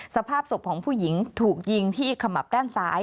สภาพศพของผู้หญิงถูกยิงที่ขมับด้านซ้าย